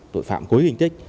tội phạm cối hình tích